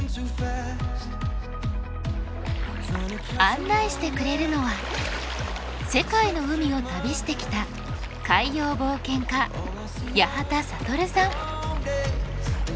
案内してくれるのは世界の海を旅してきた海洋冒険家八幡暁さん。